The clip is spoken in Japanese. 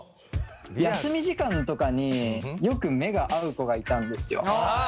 休み時間とかによく目が合う子がいたんですよ。